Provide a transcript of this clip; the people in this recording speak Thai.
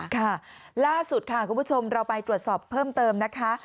ค่ะล่าสุดค่ะคุณผู้ชมเราไปตรวจสอบเพิ่มเติมนะคะ